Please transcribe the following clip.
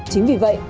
chính vì vậy